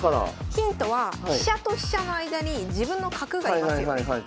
ヒントは飛車と飛車の間に自分の角が居ますよね。